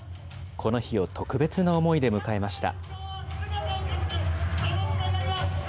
この日を特別な思いで迎えました。